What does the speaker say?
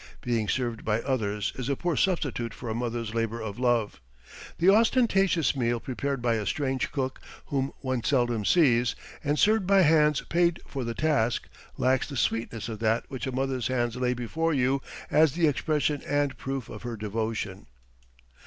Being served by others is a poor substitute for a mother's labor of love. The ostentatious meal prepared by a strange cook whom one seldom sees, and served by hands paid for the task, lacks the sweetness of that which a mother's hands lay before you as the expression and proof of her devotion.